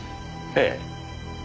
ええ。